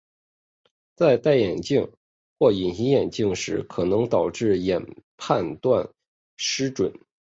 在戴眼镜或隐形眼镜时可能导致眼控判断失准。